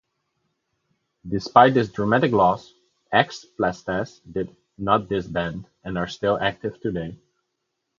Despite this dramatic loss, X Plastaz did not disband, and are still active today.